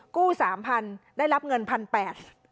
กู้๓๐๐๐ได้รับเงิน๑๘๐๐บาท